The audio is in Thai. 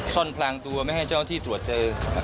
ซ่อนพลางตัวไม่ให้เจ้าที่ตรวจเจอ